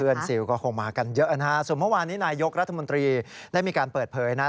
ซิลก็คงมากันเยอะนะฮะส่วนเมื่อวานนี้นายยกรัฐมนตรีได้มีการเปิดเผยนะฮะ